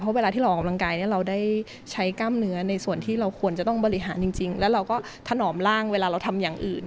เพราะเวลาที่เราออกกำลังกายเนี่ยเราได้ใช้กล้ามเนื้อในส่วนที่เราควรจะต้องบริหารจริงแล้วเราก็ถนอมร่างเวลาเราทำอย่างอื่น